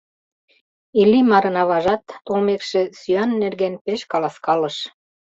Иллимарын аважат, толмекше, сӱан нерген пеш каласкалыш.